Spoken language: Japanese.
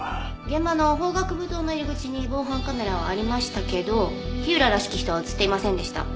現場の法学部棟の入り口に防犯カメラはありましたけど火浦らしき人は映っていませんでした。